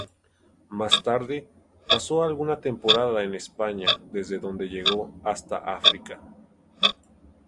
Más tarde, pasó alguna temporada en España, desde donde llegó hasta África.